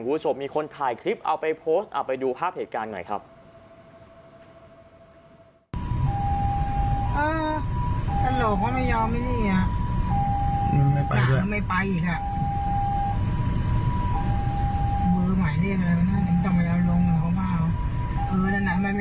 คุณผู้ชมมีคนถ่ายคลิปเอาไปโพสต์เอาไปดูภาพเหตุการณ์หน่อยครับ